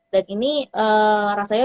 dan ini rasanya